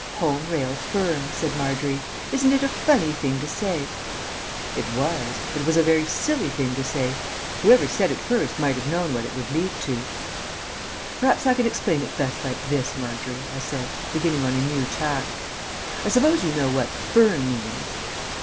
"'Home Rails Firm,'" said Margery. "Isn't it a funny thing to say?" It was. It was a very silly thing to say. Whoever said it first might have known what it would lead to. "Perhaps I can explain it best like this, Margery," I said, beginning on a new tack. "I suppose you know what 'firm' means?"